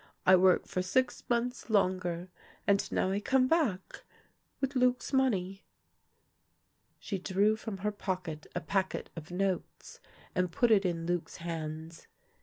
I work for six months longer, and now I come back — with Luc's money." She drew from her pocket a packet of notes, and put it in Luc's hands.